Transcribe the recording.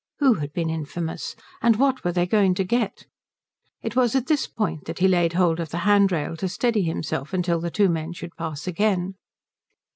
Who had been infamous? And what were they going to get? It was at this point that he laid hold of the handrail to steady himself till the two men should pass again.